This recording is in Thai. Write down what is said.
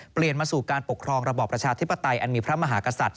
เปลี่ยนมาสู่การปกครองระบอบประชาธิปไตยอันมีพระมหากษัตริย